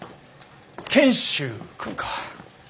賢秀君か。